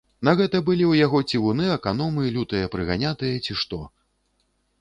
На гэта былы ў яго цівуны, аканомы, лютыя прыганятыя, ці што.